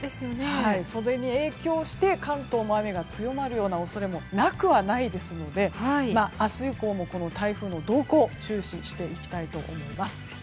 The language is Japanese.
それに影響して関東も雨が強まるような恐れもなくはないですので明日以降も、この台風の動向注視していきたいと思います。